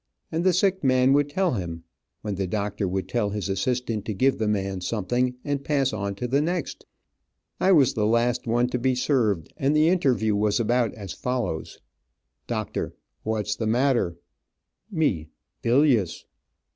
and the sick man would tell him, when the doctor would tell his assistant to give the man something, and pass on to the next. I was the last one to be served, and the interview was about as follows: Doc. What's the matter? Me Bilious.